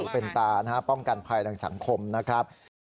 เป็นตานะฮะป้องกันภัยทางสังคมนะครับ